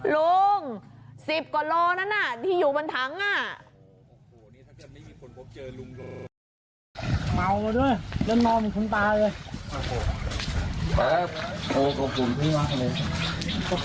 ลุงสิบกว่าโลนั้นน่ะที่อยู่บนถังอ่ะโอ้โหนี่ถ้าเกิดไม่มีคนพบเจอลุง